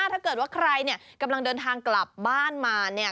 ถ้าเกิดว่าใครเนี่ยกำลังเดินทางกลับบ้านมาเนี่ย